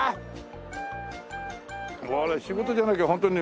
これ仕事じゃなきゃホントにね